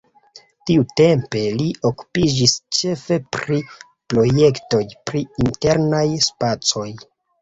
Tiutempe li okupiĝis ĉefe pri projektoj pri internaj spacoj.